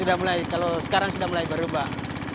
sudah mulai kalau sekarang sudah mulai berubah